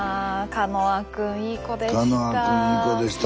カノアくんいい子でした。